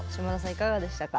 いかがでしたか？